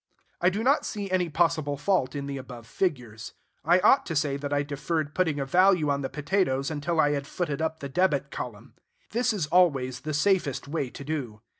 I do not see any possible fault in the above figures. I ought to say that I deferred putting a value on the potatoes until I had footed up the debit column. This is always the safest way to do.